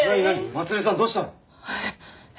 まつりさんどうしたの？